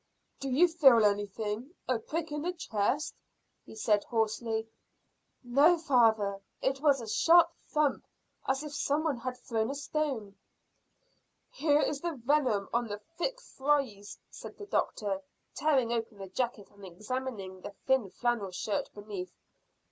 "Do you feel anything a prick in the chest?" he said hoarsely. "No, father. It was a sharp thump, as if some one had thrown a stone." "Here is the venom on the thick frieze," said the doctor, tearing open the jacket and examining the thin flannel shirt beneath.